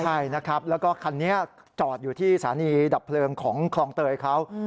ใช่นะครับแล้วก็คันนี้จอดอยู่ที่สถานีดับเพลิงของคลองเตยเขา